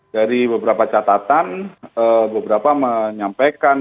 dari beberapa catatan beberapa menyampaikan